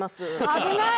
危ない！